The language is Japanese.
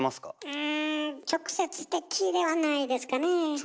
うん直接的ではないですかねぇ。